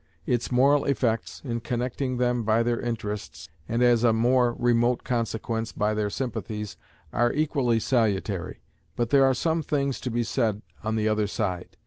Its moral effects, in connecting them by their interests, and as a more remote consequence, by their sympathies, are equally salutary. But there are some things to be said on the other side.